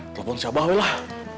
telepon siapa wih lah